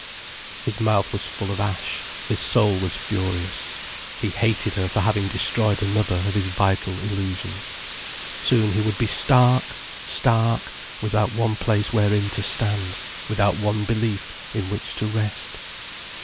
His mouth was full of ash, his soul was furious. He hated her for having destroyed another of his vital illusions. Soon he would be stark, stark, without one place wherein to stand, without one belief in which to rest.